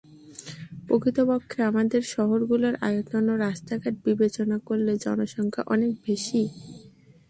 প্রকৃতপক্ষে আমাদের শহরগুলোর আয়তন ও রাস্তাঘাট বিবেচনা করলে জনসংখ্যা অনেক বেশি।